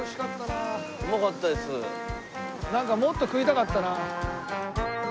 なんかもっと食いたかったな。